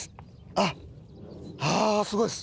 あっああーすごいです！